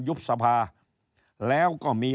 ยุบสภาแล้วก็มี